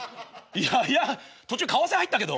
やや途中為替入ったけど。